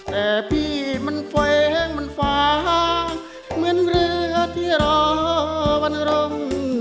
แต่พี่มันแฟ้งมันฟ้างเหมือนเรือที่รอวันรม